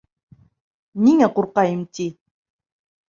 Ниңә ҡурҡайым ти?